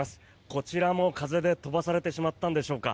こちらも、風で飛ばされてしまったんでしょうか